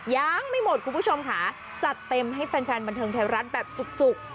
ยังไม่หมดคุณผู้ชมค่ะจัดเต็มให้แฟนบันเทิงไทยรัฐแบบจุก